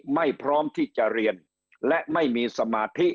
พร้อมที่จะเรียนและไม่มีสมาธิ